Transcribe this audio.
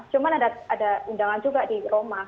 cuman ada undangan juga di roma